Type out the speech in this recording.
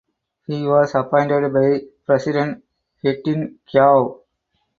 He was appointed by president Htin Kyaw.